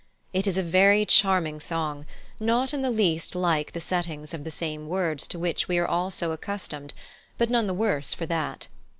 It is a very charming song, not in the least like the settings of the same words to which we are all so accustomed, but none the worse for that.